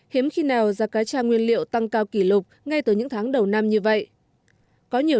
hiếm khi nào giá cá tra nguyên liệu tăng cao kỷ lục ngay từ những tháng đầu năm như vậy có nhiều